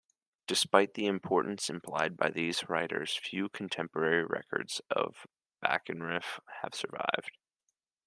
Despite the importance implied by these writers, few contemporary records of Bakenranef have survived.